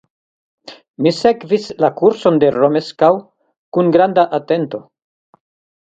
Mi sekvis la kurson de Romeskaŭ kun granda atento.